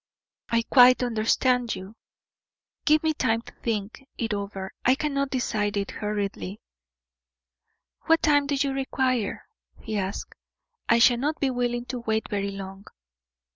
"I quite understand you. Give me time to think it over I cannot decide it hurriedly." "What time do you require?" he asked. "I shall not be willing to wait very long."